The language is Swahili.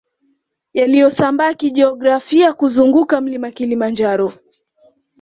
Yaliyosambaa kijiografia kuzunguka mlima Kilimanjaro